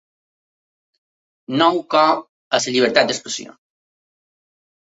Nou cop a la llibertat d’expressió.